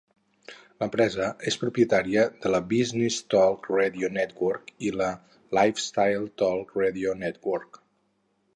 L'empresa és propietària de la Business Talk Radio Network i la Lifestyle Talk Radio Network.